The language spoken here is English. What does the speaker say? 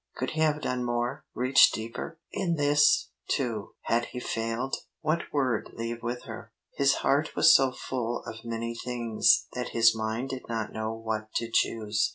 Could he have done more reached deeper? In this, too, had he failed? What word leave with her? His heart was so full of many things that his mind did not know what to choose.